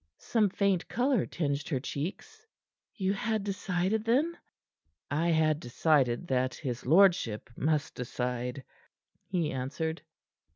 Some faint color tinged her cheeks. "You had decided, then?" "I had decided that his lordship must decide," he answered.